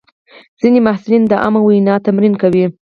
ځینې محصلین د عامه وینا تمرین کوي.